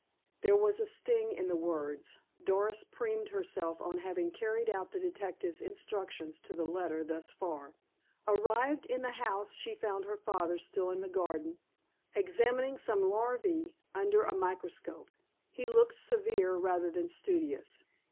There was a sting in the words. Doris preened herself on having carried out the detective's instructions to the letter thus far. Arrived in the house she found her father still in the garden, examining some larvae under a microscope. He looked severe rather than studious.